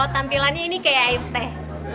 tampilannya ini kayak teh